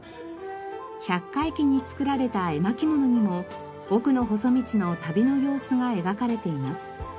百回忌に作られた絵巻物にも『おくの細道』の旅の様子が描かれています。